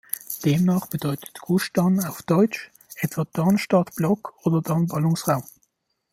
Demnach bedeutet „Gusch Dan“ auf Deutsch etwa „Dan-Stadt-Block“ oder „Dan-Ballungsraum“.